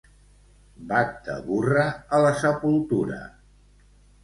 Bac de burra, a la sepultura.